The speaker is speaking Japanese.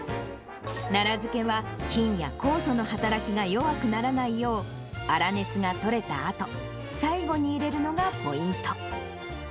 奈良漬けは、菌や酵素の働きが弱くならないよう、粗熱が取れたあと、最後に入れるのがポイント。